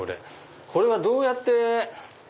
これはどうやって。